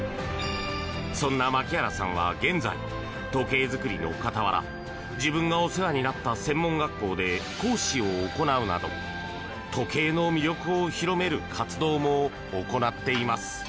そんな牧原さんは現在、時計作りの傍ら自分がお世話になった専門学校で講師を行うなど時計の魅力を広める活動も行っています。